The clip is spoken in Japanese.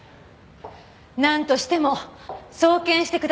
なんとしても送検してください！